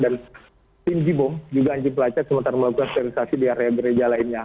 dan tim jibom juga anji placet sementara melakukan sterilisasi di area gereja lainnya